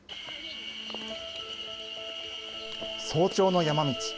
早朝の山道。